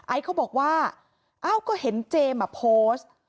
เขาบอกว่าอ้าวก็เห็นเจมส์โพสต์